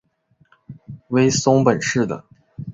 为松本市的。